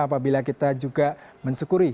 apabila kita juga mensyukuri